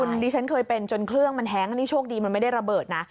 คุณดิฉันเคยเป็นจนเครื่องมันแฮงอันนี้โชคดีมันไม่ได้ระเบิดนะ